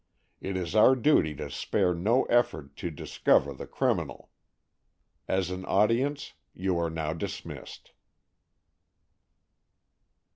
It is our duty to spare no effort to discover the criminal. As an audience you are now dismissed."